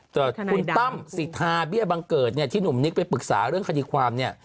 แต่คุณตั้มสิทธาเบี้ยบังเกิดเนี่ยที่หนุ่มนิกไปปรึกษาเรื่องคดีความเนี่ย